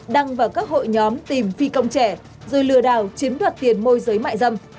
đăng vào các hội nhóm tìm phi công trẻ rồi lừa đảo chiếm đoạt tiền môi giới mại dâm